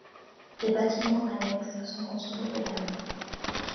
Des bâtiments annexes sont construits également.